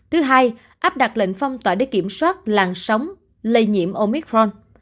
thứ hai áp đặt lệnh phong tỏa để kiểm soát làn sóng lây nhiễm omicron